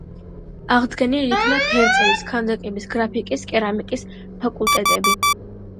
აღდგენილ იქნა ფერწერის, ქანდაკების, გრაფიკის, კერამიკის ფაკულტეტები.